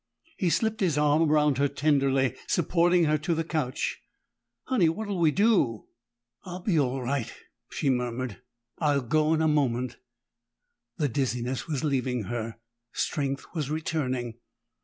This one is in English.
He slipped his arm around her tenderly, supporting her to the couch. "Honey, what'll we do?" "I'll be all right," she murmured. "I'll go in a moment." The dizziness was leaving her; strength was returning.